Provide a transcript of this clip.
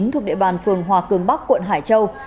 thuộc địa bàn phường hòa cường bắc quận hải châu